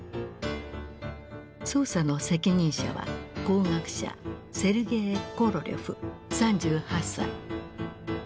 捜査の責任者は工学者セルゲイ・コロリョフ３８歳。